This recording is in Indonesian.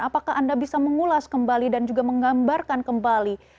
apakah anda bisa mengulas kembali dan juga menggambarkan kembali